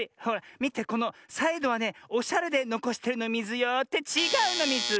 みてこのサイドはねおしゃれでのこしてるのミズよ。ってちがうのミズ！